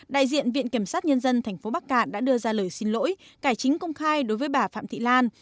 đại diện viện kiểm sát nhân dân tp bắc cạn đã đưa ra lời xin lỗi cải chính công khai đối với bà phạm thị lan